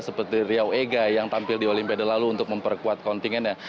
seperti riau ega yang tampil di olimpiade lalu untuk memperkuat kontingennya